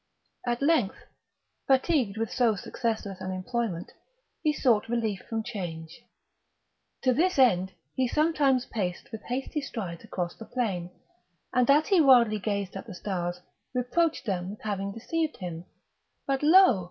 At length, fatigued with so successless an employment, he sought relief from change. To this end he sometimes paced with hasty strides across the plain, and, as he wildly gazed at the stars, reproached them with having deceived him; but, lo!